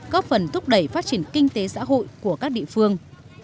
góp phần thúc đẩy phát triển kinh tế xã hội của các địa phương